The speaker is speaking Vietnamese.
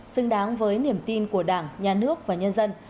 xứng đáng với niềm tin của đảng nhà nước và nhân dân